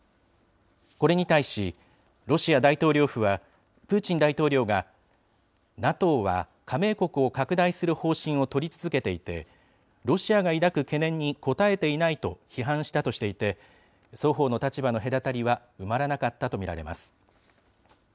これに対し、ロシア大統領府はプーチン大統領がＮＡＴＯは加盟国を拡大する方針を取り続けていて、ロシアが抱く懸念に応えていないと批判したとしていて、双方の立場の隔たりは埋まらなかったと見られます。